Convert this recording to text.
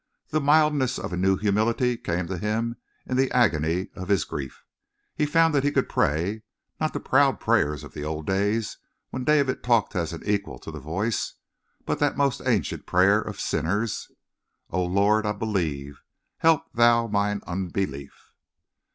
The mildness of a new humility came to him in the agony of his grief. He found that he could pray, not the proud prayers of the old days when David talked as an equal to the voice, but that most ancient prayer of sinners: "O Lord, I believe. Help Thou mine unbelief!"